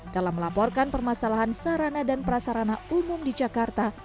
dalam melaporkan permasalahan sarana dan prasarana umum di jakarta